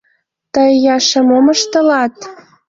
— Тый, Яша, мом ыштылат?